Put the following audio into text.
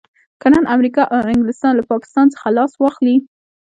که نن امريکا او انګلستان له پاکستان څخه لاس واخلي.